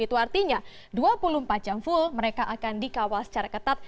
itu artinya dua puluh empat jam full mereka akan dikawal secara ketat